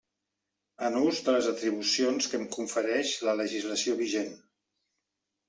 En ús de les atribucions que em confereix la legislació vigent.